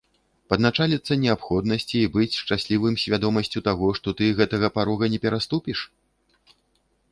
Падначаліцца неабходнасці і быць шчаслівым свядомасцю таго, што ты гэтага парога не пераступіш?